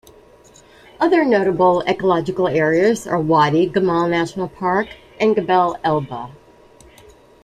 Other notable ecological areas are Wadi Gamal National Park and Gebel Elba.